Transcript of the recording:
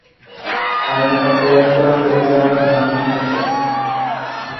আর আমি প্রাপ্তবয়স্ক হয়ে যাওয়ায় আমার বিয়ে হয়ে যায়।